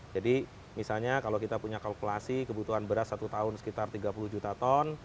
jadi misalnya kalau kita punya kalkulasi kebutuhan beras satu tahun sekitar tiga puluh juta ton